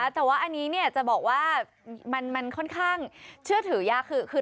แต่ว่าอันนี้จะบอกว่ามันค่อนข้างเชื่อถือยากคือ